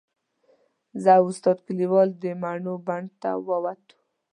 زه او استاد کلیوال د مڼو بڼ ته ووتو.